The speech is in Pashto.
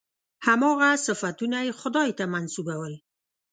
هماغه صفتونه یې خدای ته منسوبول.